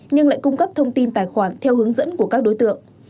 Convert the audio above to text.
nhưng lại cung cấp thông tin tài khoản theo hướng dẫn của các đối tượng